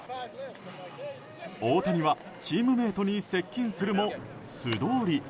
大谷はチームメートに接近するも素通り。